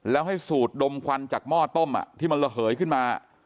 แล้วให้สูดดมควันจากหม้อต้มที่มันระเหยขึ้นมา